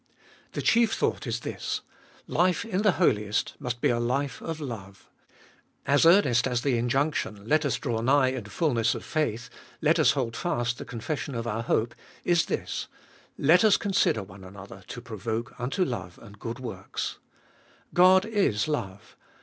The chief thought is this : Life in the Holiest must be a life of love. As earnest as the injunction, Let us draw nigh in fulness of faith, Let us hold fast the confession of our hope, is this, Let us consider one another to provoke unto love and good works. God is love.